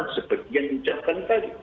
seperti yang dicatkan tadi